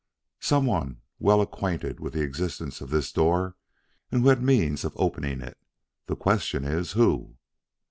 "Some one well acquainted with the existence of this door and who had means of opening it. The question is who?"